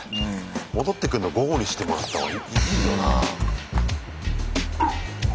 戻ってくんの午後にしてもらったほうがいいよな。